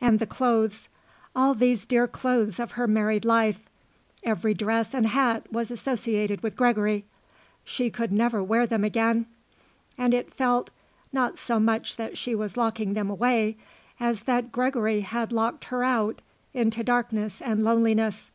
And the clothes, all these dear clothes of her married life; every dress and hat was associated with Gregory. She could never wear them again. And it felt, not so much that she was locking them away, as that Gregory had locked her out into darkness and loneliness.